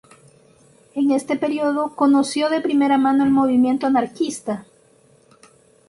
En este periodo conoció de primera mano el movimiento anarquista.